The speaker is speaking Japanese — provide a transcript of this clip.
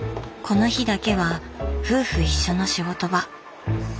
この日だけは夫婦一緒の仕事場。